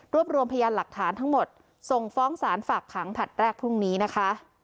รวมรวมพยานหลักฐานทั้งหมดส่งฟ้องสารฝากขังผลัดแรกพรุ่งนี้นะคะ